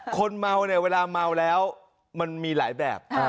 คนเมาเนี่ยเวลาเมาแล้วมันมีหลายแบบ